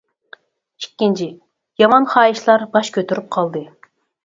ئىككىنچى، يامان خاھىشلار باش كۆتۈرۈپ قالدى.